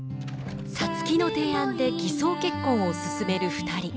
皐月の提案で偽装結婚を進める２人。